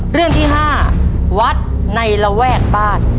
เรื่องที่๕วัดในระแวกบ้าน